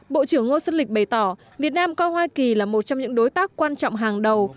bộ trưởng ngô xuân lịch bày tỏ việt nam coi hoa kỳ là một trong những đối tác quan trọng hàng đầu